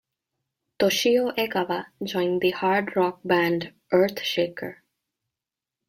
Toshio Egawa joined the hard rock band Earthshaker.